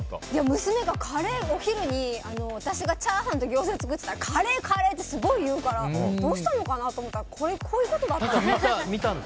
娘がお昼に私がチャーハンとギョーザを作ってたらカレー、カレーってすごい言うからどうしたのかなと思ったらこういうことだったんですね。